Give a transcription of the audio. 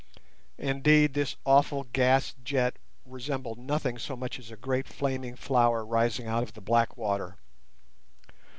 Indeed this awful gas jet resembled nothing so much as a great flaming flower rising out of the black water.